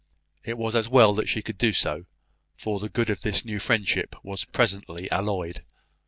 It was well that she could do so; for the good of this new friendship was presently alloyed.